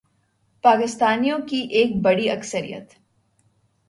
پاکستانیوں کی ایک بڑی اکثریت